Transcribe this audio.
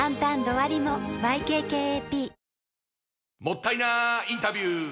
もったいなインタビュー！